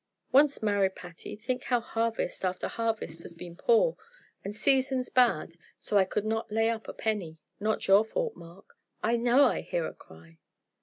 Once married, Patty, think how harvest after harvest has been poor, and seasons bad, so I could not lay up a penny." "Not your fault Mark, I know I hear a cry."